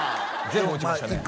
全部落ちましたね